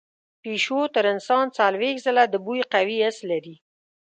پیشو تر انسان څلوېښت ځله د بوی قوي حس لري.